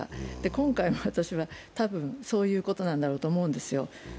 今回も私は、多分そういうことなんだろうと思うんですよ。